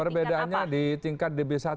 perbedaannya di tingkat db satu